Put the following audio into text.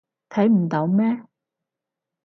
睇唔到咩？